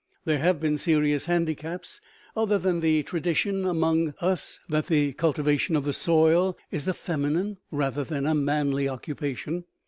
There have been serious handicaps, other than the tradition among us that the cultivation of the soil is a feminine rather than a manly occupation.